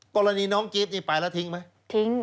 กรณีน้องกิ๊บนี่ไปแล้วทิ้งไหม